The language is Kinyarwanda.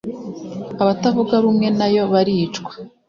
abatavuga rumwe nayo baricwa